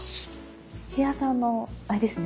土屋さんのあれですね